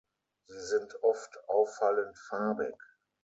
Sie sind oft auffallend farbig.